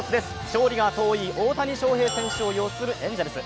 勝利が遠い大谷翔平選手を擁するエンゼルス。